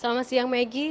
selamat siang maggie